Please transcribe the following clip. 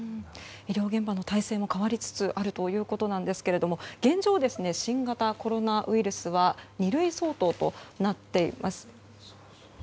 医療現場の体制も変わりつつあるということですが現状、新型コロナウイルスは二類相当となっています。